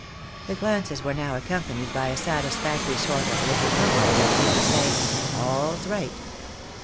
The glances were now accompanied by a satisfactory sort of little nod, that seemed to say, " All's right."